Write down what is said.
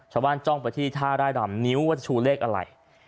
ชาวบ้านต้องเป็นที่ถ้าได้ดำนิววิชชูเลขอะไร